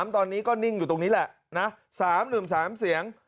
ตอนนี้ก็นิ่งอยู่ตรงนี้แหละ๓๑๓เสียง